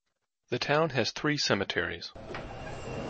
The town has three cemeteries.